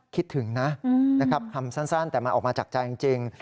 คิดถึงนะนะครับคำสั้นแต่มันออกมาจากใจจริง